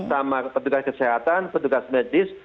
sama petugas kesehatan petugas medis